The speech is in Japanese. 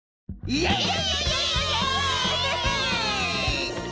イエイ！